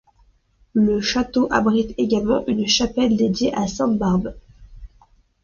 Le château abrite également une chapelle dédiée à Sainte Barbe.